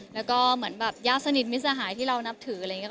แล้วก็เหมือนแบบญาติสนิทมิตรสหายที่เรานับถืออะไรอย่างนี้